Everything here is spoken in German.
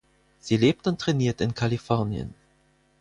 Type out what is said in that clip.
Sie lebt und trainiert in Kalifornien.